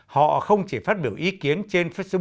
họ không chỉ phát biểu ý kiến trên facebook